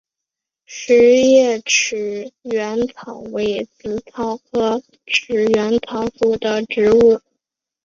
匙叶齿缘草为紫草科齿缘草属的植物。